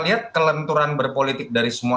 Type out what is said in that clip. lihat kelenturan berpolitik dari semua